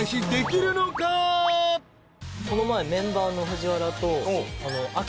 この前メンバーの藤原と。